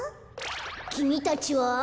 きみたちは？